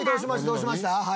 どうしました？」